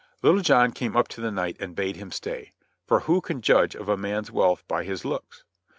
Little John approached the stranger and bade him stay; for who can judge of a man's wealth by his looks?